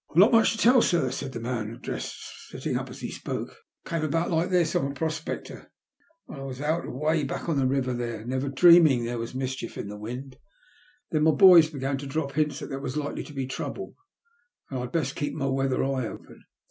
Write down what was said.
" I've not much to tell, sir," said the man addressed, sitting up as he spoke. '' It came about like this : I am a prospector, and I was out away back on the river there, never dreaming ihere A TERRIBLE SURPRISB. 253 was mischief in the wind. Then my boys began to drop hints that there was likely to be troubV, and I'd best keep my weather eye open.